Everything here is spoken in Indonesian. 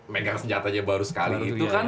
megang senjatanya baru sekali itu kan